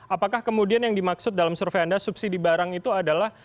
apakah kemudian yang dimaksud dalam survei anda subsidi barang itu adalah